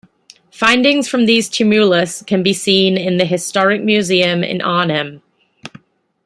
Findings from these tumulus can be seen in the Historic museum in Arnhem.